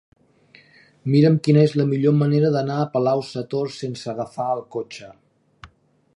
Mira'm quina és la millor manera d'anar a Palau-sator sense agafar el cotxe.